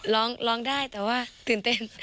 ร้องร้องได้แต่ว่าตื่นเต้น